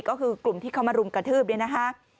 ก็คือกลุ่มที่เขามารุมกระทืบเนี่ยนะคะ